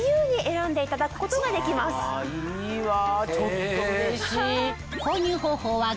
いいわちょっとうれしい。